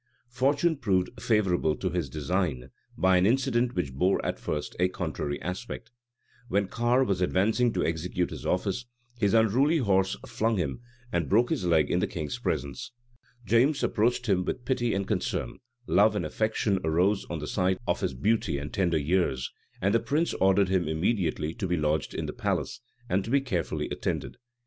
Fortune proved favorable to his design, by an incident which bore at first a contrary aspect. When Carre was advancing to execute his office, his unruly horse flung him, and broke his leg in the king's presence. James approached him with pity and concern: love and affection arose on the sight of his beauty and tender years; and the prince ordered him immediately to be lodged in the palace, and to be carefully attended.